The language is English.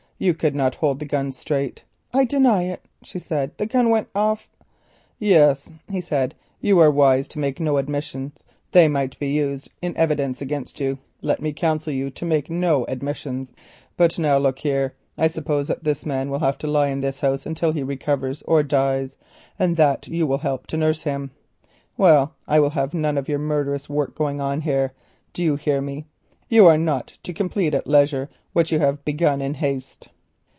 You could not hold the gun straight." "I deny it," she said, "the gun went off——" "Yes," he said, "you are wise to make no admissions; they might be used in evidence against you. Let me counsel you to make no admissions. But now look here. I suppose the man will have to lie in this house until he recovers or dies, and that you will help to nurse him. Well, I will have none of your murderous work going on here. Do you hear me? You are not to complete at leisure what you have begun in haste."